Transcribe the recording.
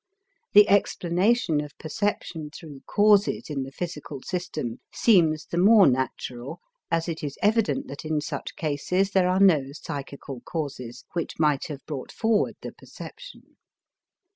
The explanation of perception through causes in the physical system seems the more natural as it is evident that in such cases there are no psychical causes which might have brought forward the perception.